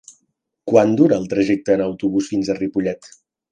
Quant dura el trajecte en autobús fins a Ripollet?